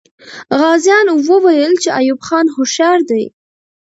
غازیان وویل چې ایوب خان هوښیار وو.